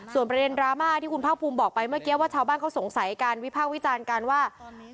ส่วนประเด็นดราม่าที่คุณภาคภูมิบอกไปเมื่อกี้ว่าชาวบ้านเขาสงสัยการวิพากษ์วิจารณ์กันว่า